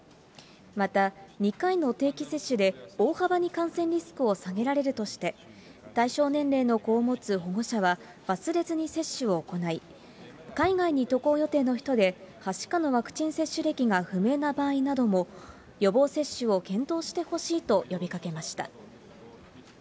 また２回の定期接種で大幅に感染リスクを下げられるとして、対象年齢の子を持つ保護者は忘れずに接種を行い、海外に渡航予定の人で、はしかのワクチン接種歴が不明な場合なども予防接種を検討してほしいと呼びかけました。